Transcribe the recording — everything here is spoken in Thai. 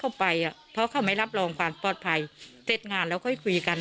ไปอ่ะเพราะเขาไม่รับรองความปลอดภัยเสร็จงานแล้วค่อยคุยกัน